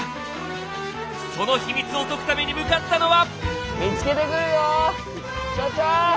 その秘密を解くために向かったのは。